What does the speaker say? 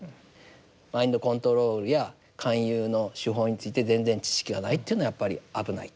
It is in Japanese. マインドコントロールや勧誘の手法について全然知識がないというのはやっぱり危ない。